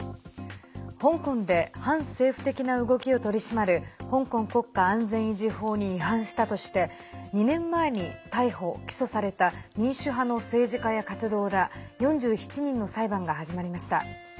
香港で反政府的な動きを取り締まる香港国家安全維持法に違反したとして２年前に逮捕・起訴された民主派の政治家や活動家ら４７人の裁判が始まりました。